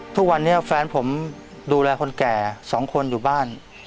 ทุกวันนี้แฟนผมดูแลคนแก่๒คนอยู่บ้าน